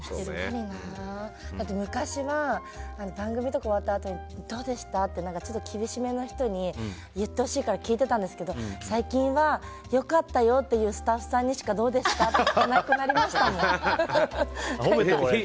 昔は番組とか終わったあとにどうでした？って厳しめな人に言ってほしいから聞いてたんですけど最近は良かったよって言うスタッフさんにしかどうでした？って聞かなくなりましたもん。